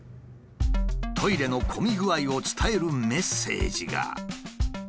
トイレの混み具合を伝えるメッセージが。